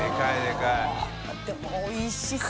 でもおいしそう。